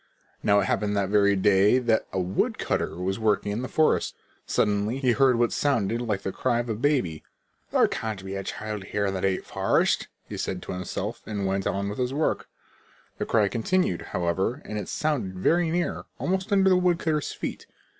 Now it happened that very day that a woodcutter was working in the forest. Suddenly he heard what sounded like the cry of a baby. "There can't be a child here in the deep forest," he said to himself and went on with his work. The cry continued, however, and it sounded very near, almost under the woodcutter's feet.